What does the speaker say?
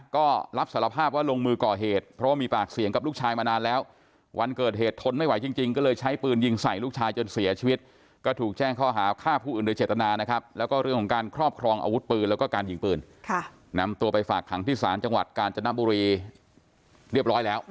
คือตำรวจของให้เข้าไปเก็บแล้วก็ให้ออกเลย